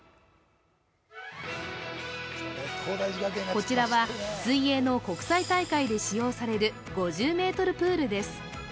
こちらは水泳の国際大会で使用される５０ｍプールです。